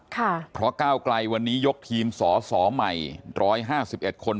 พคกล้าวไกลวันนี้ยกทีมสสม๑๕๑คน